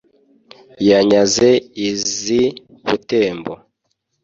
Yanyaze iz'i Butembo